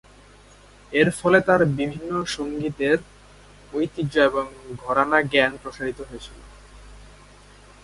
এর ফলে তার বিভিন্ন সংগীতের ঐতিহ্য এবং ঘরানার জ্ঞান প্রসারিত হয়েছিল।